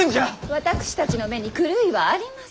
私たちの目に狂いはありません。